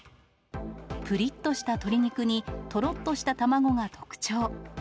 ぷりっとした鶏肉に、とろっとした卵が特徴。